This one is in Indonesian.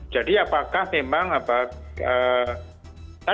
jadi apakah memang apakah apakah itu menggantikan harga yang wajar